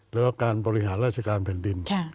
แล้วก็การบริหารราชการแผ่นดิน